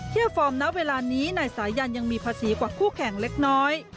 ฟอร์มณเวลานี้นายสายันยังมีภาษีกว่าคู่แข่งเล็กน้อย